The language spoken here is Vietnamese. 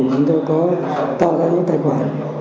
chúng tôi có tạo ra những tài khoản